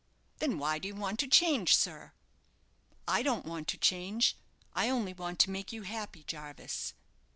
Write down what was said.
"Then why do you want to change, sir?" "I don't want to change. I only want to make you happy, Jarvis."